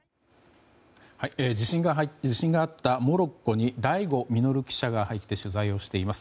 地震があったモロッコに醍醐穣記者が入って取材をしています。